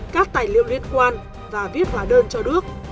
các tài liệu liên quan và viết hóa đơn cho đức